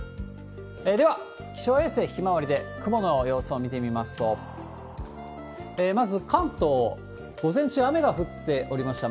では、気象衛星ひまわりで、雲の様子を見てみますと、まず関東、午前中雨が降っておりました。